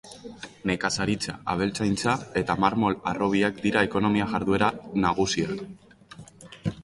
Nekazaritza, abeltzaintza eta marmol-harrobiak dira ekonomia-jarduera nagusiak.